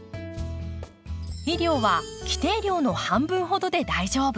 肥料は規定量の半分ほどで大丈夫。